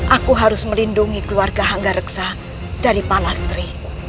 aku harus melindungi keluarga hanggareksa dari palastri